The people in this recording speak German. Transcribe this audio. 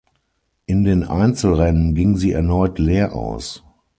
In den Einzelrennen ging sie erneut leer aus.